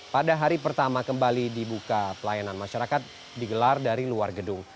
pada hari pertama kembali dibuka pelayanan masyarakat digelar dari luar gedung